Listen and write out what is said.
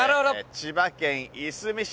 千葉県いすみ市。